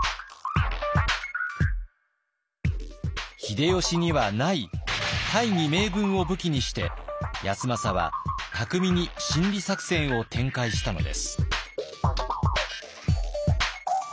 秀吉にはない大義名分を武器にして康政は巧みに心理作戦を展開したのです。